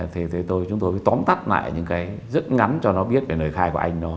thế thì tôi chúng tôi tóm tắt lại những cái rất ngắn cho nó biết về nơi khai của anh nó